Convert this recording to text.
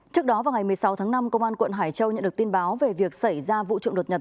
trước đó vào ngày một mươi sáu tháng năm công an quận hải châu nhận được tin báo về việc xảy ra vụ trộm đột nhập